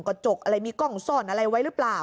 กระจกอะไรมีกล้องซ่อนอะไรไว้หรือเปล่า